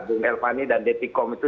bumega dan deticom itu